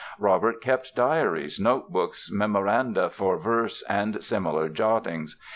Robert kept diaries, note books, memoranda for verses and similar jottings.